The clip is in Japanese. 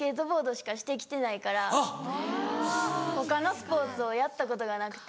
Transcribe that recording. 他のスポーツをやったことがなくて。